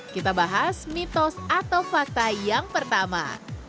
kita bahas mitos atau fakta yang pertama